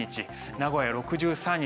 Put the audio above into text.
名古屋６３日。